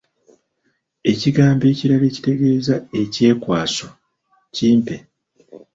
Ekigambo ekirala ekitegeeza ekyekwaso, kimpe?